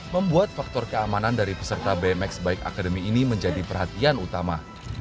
membuat faktor keamanan dari peserta bmx bike academy ini menjadi perhatian utama